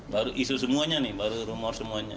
baru isu semuanya nih baru rumor semuanya